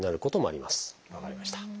分かりました。